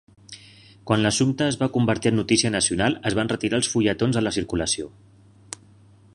Quan l'assumpte es va convertir en notícia nacional, es van retirar els fulletons de la circulació.